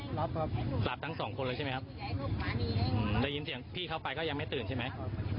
รับครับหลับทั้งสองคนเลยใช่ไหมครับได้ยินเสียงพี่เขาไปก็ยังไม่ตื่นใช่ไหม